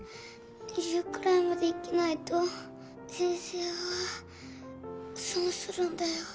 １０くらいまで生きないと先生は損するんだよ